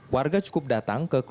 warga cukup datang ke keluarga